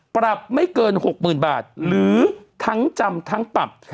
ปรับไม่เกิน๖๐๐๐บาทหรือทั้งจำทั้งปรับ